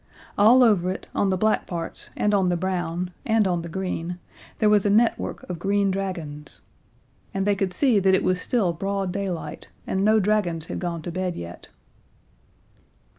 All over it, on the black parts, and on the brown, and on the green, there was a network of green dragons. And they could see that it was still broad daylight, and no dragons had gone to bed yet.